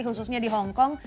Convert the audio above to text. khususnya di hong kong